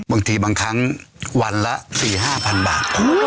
บางทีบางครั้งวันละ๔๕๐๐๐บาท